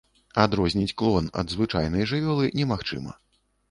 Адрозніць клон ад звычайнай жывёлы немагчыма.